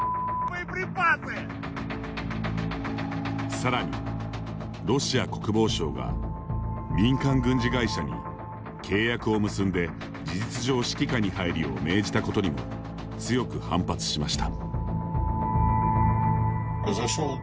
さらに、ロシア国防省が民間軍事会社に契約を結んで事実上、指揮下に入るよう命じたことにも強く反発しました。